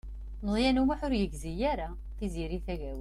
Meẓyan U Muḥ ur yegzi ara Tiziri Tagawawt.